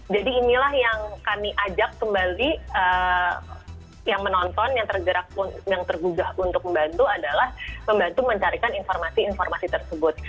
jadi inilah yang kami ajak kembali yang menonton yang tergerak yang tergugah untuk membantu adalah membantu mencarikan informasi informasi tersebut